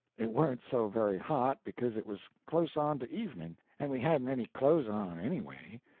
It warn't so very hot, because it was close on to evening, and we hadn't any clothes on, anyway.